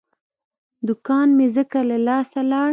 دوکان مې ځکه له لاسه لاړ.